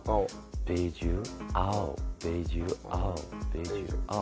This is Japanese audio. ベージュ青ベージュ青ベージュ青。